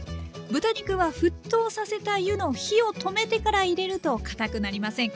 豚肉は沸騰させた湯の火を止めてから入れるとかたくなりません。